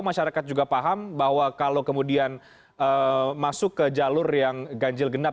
masyarakat juga paham bahwa kalau kemudian masuk ke jalur yang ganjil genap